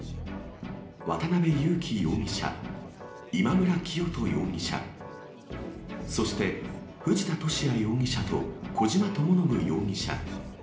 渡辺優樹容疑者、今村磨人容疑者、そして藤田聖也容疑者と、小島智信容疑者。